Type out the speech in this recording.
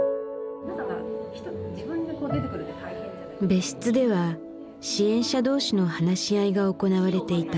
別室では支援者同士の話し合いが行われていた。